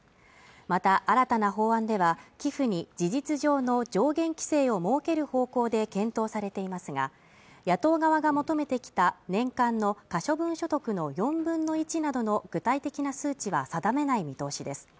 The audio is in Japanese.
また新たな法案では寄付に事実上の上限規制を設ける方向で検討されていますが野党側が求めてきた年間の可処分所得の４分の１などの具体的な数値は定めない見通しです